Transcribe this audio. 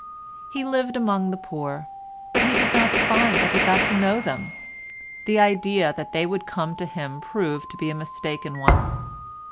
He lived among the poor, but he did not find that he got to know them. The idea that they would come to him proved to be a mistaken one.